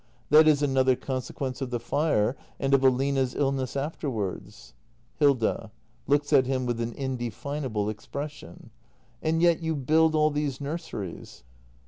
That is another conse quence of the fire — and of Aline's illness afterwards. Hilda. [Looks at him with an indefinable expression.] And yet you build all these nurseries